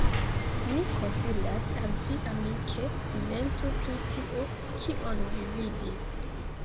mi konsilas al vi amike, silentu pri tio, kion vi vidis.